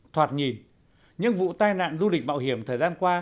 thoạt nhìn những vụ tai nạn du lịch mạo hiểm thời gian qua